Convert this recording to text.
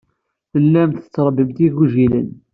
Tellam tettṛebbim igujilen.